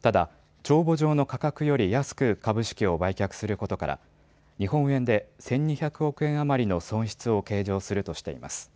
ただ、帳簿上の価格より安く株式を売却することから日本円で１２００億円余りの損失を計上するとしています。